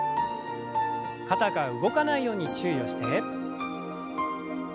肩が動かないように注意をして。